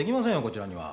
こちらには。